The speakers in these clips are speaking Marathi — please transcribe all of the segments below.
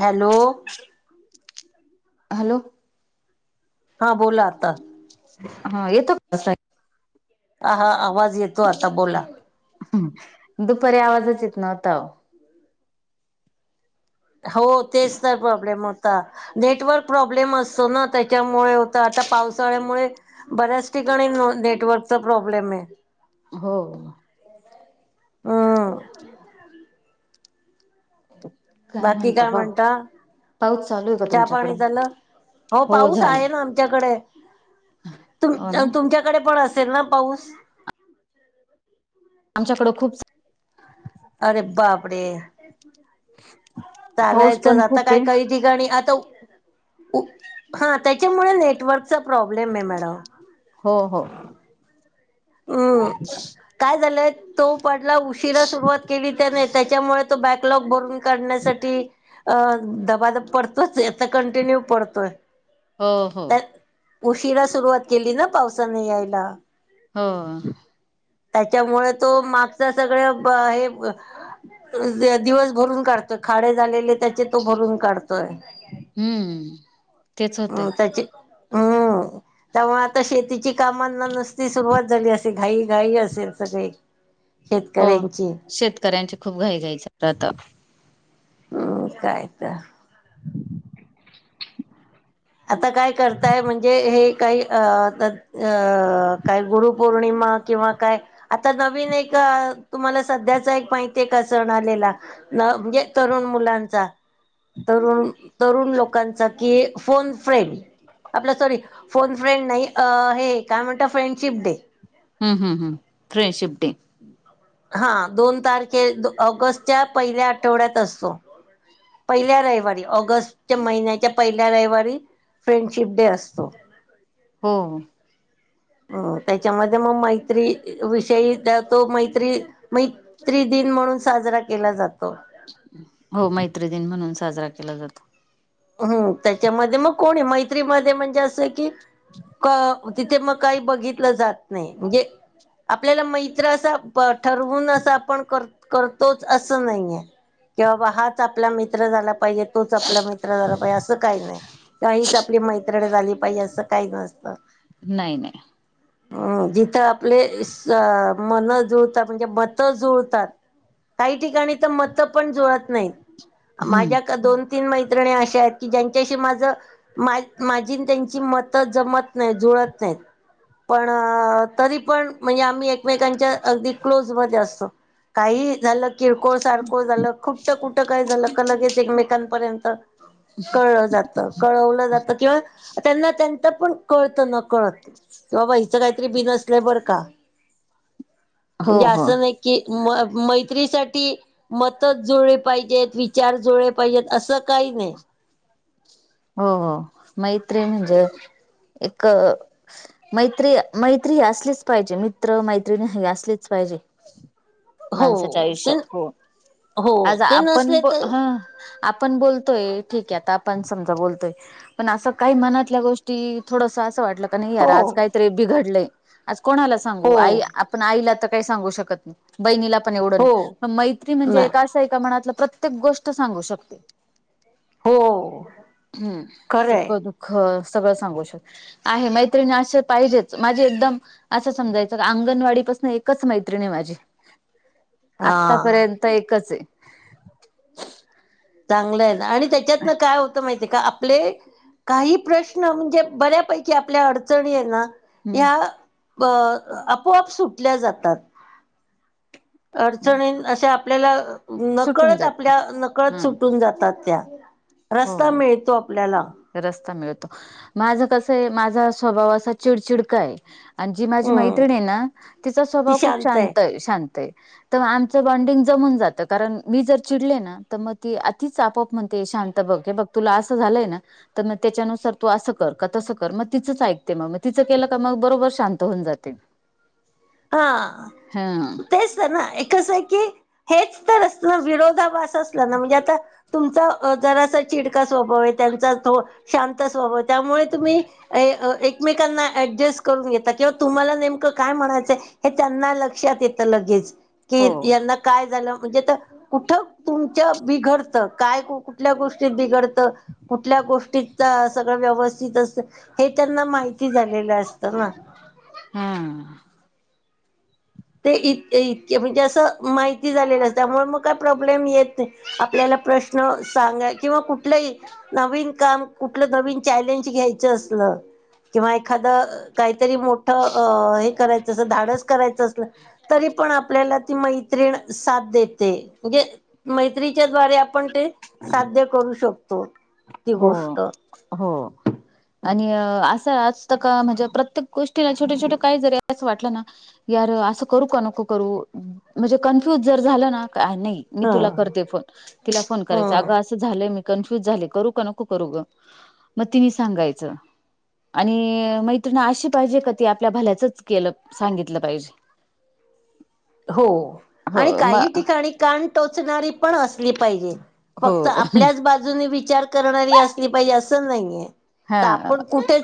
हॅलो! हॅलो! हा, बोला आता. हा, येतो का साय? हा.. हा.. आवाज येतो आता बोला. हम्म, दुपारी आवाजच येत नव्हता आव. हो, तेच तर प्रॉब्लेम हो या, नेटवर्क प्रॉब्लेम असतो ना, त्याच्यामुळे होतं आता पावसाळ्यामुळे बऱ्याच ठिकाणी नेटवर्कचा प्रॉब्लेम आहे. हो. अं. बाकी काय म्हणता, पाऊस चालू आहे का चहा तुमच्याकड पाणी झालं? हो, पाऊस आहे ना आमच्याकडे, हो ना तुमच्याकडे पण असं चलन पाऊस. आमच्याकडं खूप अरे बापरे! पाऊस चालायचंच, पण आता खूप आहे काही-काही ठिकाणी आता हा, त्याच्यामुळे नेटवर्कचा प्रॉब्लेम आहे, मॅडम. हो-हो. अंम. [inaudible] काय झालंय, तो पडला. उशीरा सुरुवात केली त्याने, त्याच्यामुळे तो बॅकलॉग भरून करण्यासाठी अ. दबाधबा पडतोचय, कंटिन्यू पडतोय. हो-हो. उशीरा सुरुवात केली ना, पावसाने यायला. होय. त्याच्यामुळे तो मागच सगळं ब हे दिवस भरून काढतोय, खाडे झालेले त्याचे तो भरून काढतोय. हम्म. तेच होतय अं, त्याची हं. त्यामुळे आता शेतीची कामांना नुसती सुरुवात झाली असेल, घाई-घाई असेल सगळे. [unintelligible] हो, शेतकऱ्यांची शेतकऱ्यांची खूप घाई-घाईच राहता. हम्, काय तर- आता काय करताय म्हणजे हे काही अ, आता काय, गुरुपौर्णिमा किंवा काय? आता नवीन एक, तुम्हाला सध्याचा एक माहितीये का सण आलेला? न म्हणजे, तरुण मुलांचा तरुण-तरुण लोकांचा की फोन फ्रेंड आपला... सॉरी, फोन फ्रेंड नाही. अं, हे काय म्हणता? Friendship day. ह्म्म-ह्म्म, फ्रेंडशिप डे. हा.. दोन तारखे ऑगस्टच्या पहिल्या आठवड्यात असतो. पहिल्या रविवारी, ऑगस्टच्या महिन्याच्या पहिल्या रविवारी फ्रेंडशिप डे असतो. हो. हो, त्याच्यामध्ये मग मैत्री विषयी त्या तो मैत्री मै त्रि दिन म्हणून साजरा केला जातो. हो, मैत्री दिन म्हणून साजरा केला जातो. हम्म, त्याच्यामध्ये मग कोण आहे मैत्रीमध्ये? म्हणजे असं की, को तिथे मग काही बघितलं जात नाही. म्हणजे आपल्याला मैत्र असा प ठरवून असं आपण कर करतोच असं नाहीयय, की बाबा हाच आपला मित्र झाला पाहिजे तोच आपला मित्र तर बाई.. अस काही नाही, हिच आपली मैत्रीण झाली पाहिजे असं काही नसत. नाई.. नय. [inaudible] ह़.. जिथं आपलेस स... मन जुळतात म्हणजे मत जुळतात काही ठिकाणी तर मत पण जुळत नाहीत, हम्म माझ्या का दोन- तीन मैत्री त्रिणी अशा आहेत की.. ज्यांच्याशी माझं मा.. माझीन त्यांची मतं जमत नाही.. जुळत नाहीत. पण.. तरी पण म्हणजे आम्ही एकमेकांच्या अगदी क्लोजमध्ये असतो, काही ही झालं किरकोळ -सारकोळ झालं खुटं कुटं काय झालं का लगेच एकमेकांपर्यंत कळलं जात. कळवलं जातं किंवा त्यांना त्याच पण कळतं न कळत. किंवा बाई हीच काहीतरी बिनसलय बर का... हो म्हणजे हो असं नाही की म.. मैत्रीसाठी मतच जुळी पाहिजेत, विचार जुळे पाहिजेत, असं काही नाही. हो.. हो... मैत्रीण म्हणजे एक मैत्री.. मैत्री.. असलीच पाहिजे, मित्र -मैत्रिणी हे असलेच पाहिजे. [inaudible] माणसाच्या ते आयुष्यात, हो.. हो आज ते आपण.. नसले तर ह आपण बोलतोये, ठीकय आता आपण समजा बोलतोय, पण असं काही मनातल्या गोष्टी थोडस असं वाटलं का नाय यार हो आज काहीतरी बिघडलं.. आज कोणाला सांगू? हो आई आपण आईला तर काही सांगू शकत नाही. बहिणीला पण एवढं नई, हो मग मैत्री म्हणजे ना एक असं एका मनातलं प्रत्येक गोष्ट सांगू शकतो. हो.. हम्म.. खरंय सख्ख -दुःख सगळं सांगू शकत. आहे... मैत्रिणी असे पाहिजेत माझी एकदम असं समजायचं, अंगणवाडी पासन एकच मैत्रीण आहे माझी [inaudible] हा आतापर्यंत एकचय. चांगलंय ना... आणि त्याच्यातन काय होतं माही का आपले... काही प्रश्न म्हणजे बऱ्यापैकी आपल्या अडचणी है ना हम्म या... ब... आपोआप सुटल्या जातात. अडचणीनन असे आपल्याला सुटून नकळत जात आपल्या नकळत हम्म सुटून जातात त्या, हो रस्ता मिळतो आपल्याला. रस्ता मिळतो, माझं कसंय माझा स्वभाव असा चिडचिड चिडकाय. आणि जी माझी हम्म मैत्रिणी आहे ना... तिचा ती स्वभाव खूप शांत आहे शांतय.. शांतय. तर आमचं बॉन्डिंग जमून जातं, कारण मी जर चिडले ना तर मग ती तिच आपोआप म्हणते शांत ते बघ.. ते बघ तुला असं झालंय ना तर मग त्याच्यानुसार तू असं कर... का तसं कर.. मग तिचंच ऐकते मग, मग तिचं केलं तर बरोबर शांत होऊन जाते. हा.. हा तेच तर ना... एक कसं आहे की हेच तर अस ना.. विरोधाभास असलं ना.. म्हणजे आता तुमचा अ.. जरासा चिडका स्वभाव आहे, त्यांचा थो शांत स्वभाव त्यामुळे तुम्ही ए.. एकमेकांना ऍडजस्ट करून घेता किंवा तुम्हाला नेमकं काय म्हणाय चय हे त्यांना लक्षात येत लगेच, की.. हो यांना काय झालं, म्हणजे कुठं ते तुमच्या बिघडत, काय कुठल्या गोष्टीत बिघडत, त कुठल्या गोष्टी त सगळं व्यवस्थित. असतं हे त्यांना माहिती झालेलं असतं ना. हा हा ते इ इतके म्हणजे असं माहिती झालेलं त्यामुळे मग काय प्रॉब्लम केलम येत नाही आपल्याला प्रश्न सांगाय किंवा कुठंलही नवीन काम कुठलं नवीन चॅलेंज घ्यायचं असलं किंवा एखादं काहीतरी मोठं अंस करायचं धाडस करायचं असलं तरी पण आपल्याला ती मैत्रीण साथ देते म्हणजे मैत्रीच्या द्वारे आपल्या आपण ते साध्य करू शकतो. ती हो, गोष्ट हो आणि अं असं असतं का म्हणजे प्रत्येक गोष्टीला छोटे, छोटे काय जरी असं वाटलं ना. यार असं करू का नको करू? म्हणजे कन्फ्युज जर झालं ना का नाही. मी ह तुला करते फोन तिला फोन करायचा ह अगं असं झालंय मी कन्फ्युज झाले करू का नको करू ग मग तिनी सांगायचं. आणि मैत्रिण अशी पाहिजे का ती आपल्या भल्याचंच केलं सांगितलं पाहिजे. हो हो आणि म काही ठिकाणी कान टोचणारी पण असली पाहिजे हो फक्त आपल्याच बाजूने विचार करणारी असली पाहिजे आसं नाही हाय, हा तर आपण कुठे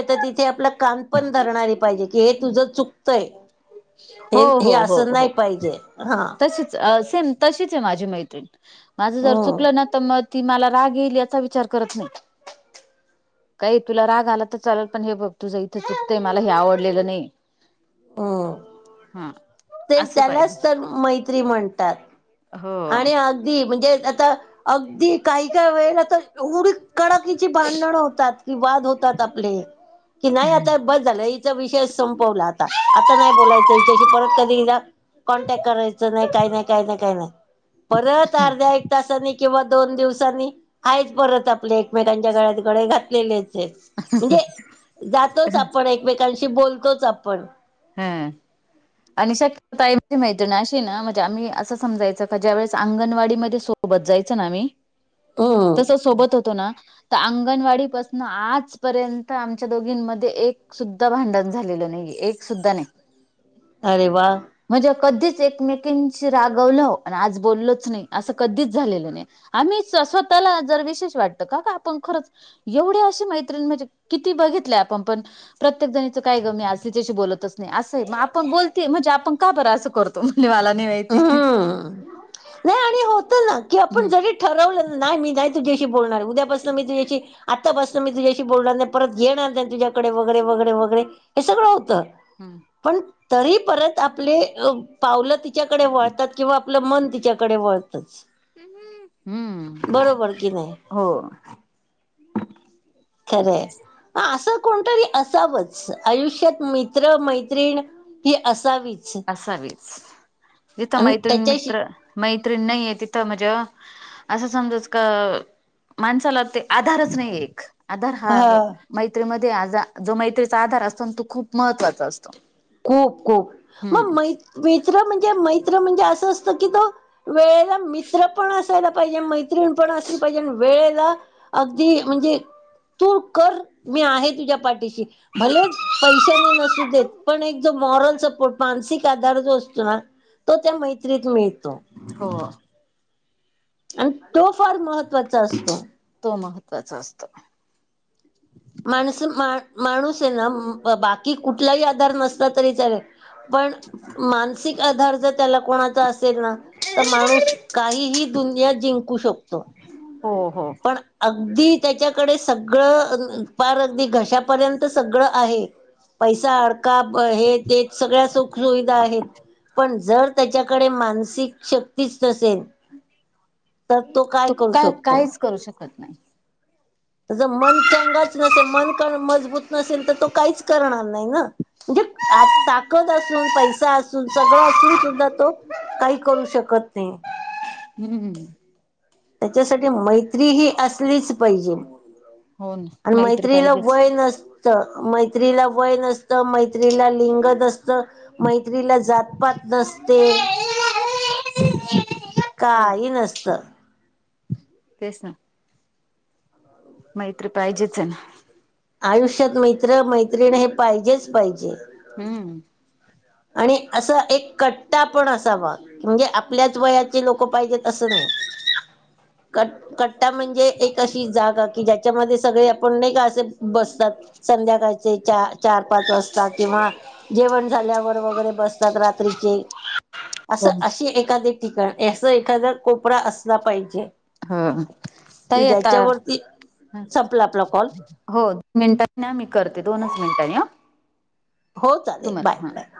तिथे आपल्या कान पण धरणारी पाहिजे की हे तुझं चुकतय. हो हो हो हो, तशीच अं सेम तशीच आहे माझी मैत्रिण. माझं जर हम्म चुकलं ना तर मग ती मला राग येईल याचा विचार करत नाही. काही तुला राग आला तर चाललं पण हे बघ तुझ इ ईथं चुकतंय मला हे आवडलेलं नाही. हो हा ते असं त्यालाच पाहिजे तर मैत्री म्हणतात. हो आणि अगदी म्हणजे आता अगदी काही काय वेळेला आता एवढी कडाकीची भांडण होतात की, वाद होतात आपले. कि नाही आता बस झालं इथं विषयच संपवला आता. आता नाही बोलायचं हिच्याशी परत कधी हिला कॉन्टॅक्ट करायचं नाही, काय नाही, काय नाही काय नाही. परत अर्ध्या, एक तासानी किंवा दोन दिवसांनी आहेच परत आपल्या एकमेकांच्या गळ्यात गळे घातलेले आहेत. हेत म्हणजे जातोच आपण, एकमेकांशी बोलतोच आपण हा आणि शक्य काय माझी मैत्रिण हाय अशी ना म्हणजे आम्ही असं समजायचं का ज्या वेळेस अंगणवाडीमध्ये सोबत जायचं ना आम्ही हंम तसं सोबत होतो ना तर अंगणवाडी पासून आजपर्यंत आमच्या दोघींमध्ये एक सुद्धा भांडण झालेलं नाही एक सुद्धा नाही. अरे वा! म्हणजे कधीच एकमेकांशी रागवलं आणि आज बोललच नाही असं कधीच झालेलं नाही. आम्हीच स्वतःला जर विशेष वाटतं का! का आपण खरंच. एवढ्या अशी मैत्रिणी म्हणजे किती बघितलंय आपण पण प्रत्येक जणीच काय ग मी आजली त्याशी बोलत नाही. असग आपण बोलते म्हणजे आपण का बरं असं करतो. तो म्हणते मला नाही माहित. हम्म नाही आणि होत ना की आपण हम्म जरी. ठरवलं नाही मी नाही तुझ्याशी बोलणार उद्यापासून मी तुझ्याशी आत्ता बसन मी तुझ्याशी बोलणार नाही परत घेणार नाही तुझ्याकडे वगैरे वगैरे वगैरे हे सगळं होतं. [inaudible] पण तरी परत आपले अ पावल तीत तिच्याकडे वळतात किंवा आपलं मन तिच्याकडे वळतच. हम्म बरोबर की नाही हो खर हाय. असं कोणतरी असावंच आयुष्यात मित्र मैत्रिण ही असावीच. असावीच जिथं आणि मैत्रीण त्याच्याशी मित्र मैत्रीण नाही आहे तिथं म्हणजे अ असं समजाच का माणसाला ते आधारच नाही एक आधार हा मैत्रीमध्ये आ जो मैत्रीचा आधार असतो तो खूप महत्त्वाचा असतो. खूप-खूप मग मै हम्म मित्र म्हणजे मैत्र म्हणजे असं असतं की तो वेळेला मित्र पण असायला पाहिजे मैत्रिण पण असली पाहिजे वेळेला अगदी म्हणजे तू कर मी आहे तुझ्या पाठीशी, भले पैशानी नसू दे पण एक जो मॉरल सपोर्ट मानसिक आधार जो असतो ना तो त्या मैत्रीतून येतो. हो आणि तो फार महत्त्वाचा असतो. तो महत्त्वाचा असत. माणस मा माणूस आहे बाकी कुठलाही आधार नसता तरी चालल. पण मानसिक आधार जर त्याला कुणाचा असेल ना तर माणूस काहीही दुनिया जिंकू शकतो. हो हो पण अगदी त्याच्याकडे सगळं पार अगदी घशापर्यंत सगळं आहे पैसा अडका हे ते सगळ्या सुख क्रोईद आहेत पण जर त्याच्याकडे मानसिक शक्तीच नसेल. तर तो काय करू शकतो. करू शकत नाही. जर मन चंगाच नसेल मन मजबूत नसेल तर तो काहीच करणार नाही ना? विक ताकद असून पैसा असून सगळं असून सुद्धा तो- काही करू शकत नाही. हम्म त्याच्यासाठी मैत्री ही असलीच पाहिजे. हो ना आणि मैत्री मैत्रीला पाहिजेच. वय नसत. मैत्रीला वय न असत मैत्रीला लिंगत नसत. मैत्रीला जातपात नसते. [unintelligible] काही नसतं. तेच न. मैत्री पाहिजेच हे ना. आयुष्यात मित्र मैत्रिण हे पाहिजेच पाहिजे. हूं आणि असं एक कट्टा पण असावा म्हणजे आपल्याच वयाचे लोकं पाहिजेत असं नाही. कट कट्टा म्हणजे एक अशी जागा की ज्याच्यामध्ये सगळे आपण नाही का असे बसतात संध्याकाळचे चार पाच वाजता किंवा जेवण झाल्यावर. वगैरे बसतात रात्रीचे... अस हो अशी एखादी ठिकाण... असं एखादा कोपरा असला पाहिजे. हृ... की ताई आता... ज्याच्यावरती संपला आपला कॉल हो मिनिटांनी आम्ही करते, दोनच मिनिटांनी हं हो.. चालेल. Bye.. bye..